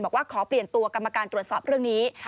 บอกว่าขอเปลี่ยนตัวกรรมการตรวจสอบเรื่องนี้